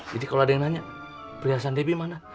jadi kalau ada yang nanya perhiasan debi mana